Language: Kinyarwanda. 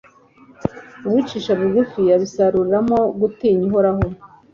Uwicisha bugufi abisaruramo gutinya Uhoraho